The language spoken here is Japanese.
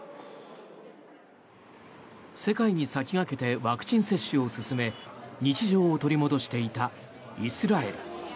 世界に先駆けてワクチン接種を進め日常を取り戻していたイスラエル。